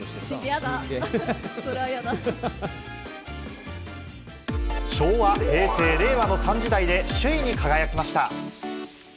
やだ、昭和、平成、令和の３時代で首位に輝きました。